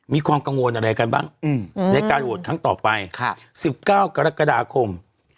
มีความกังวลอะไรกันบ้างในการโหวตครั้งต่อไป๑๙กรกฎาคม